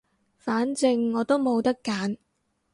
反正我都冇得揀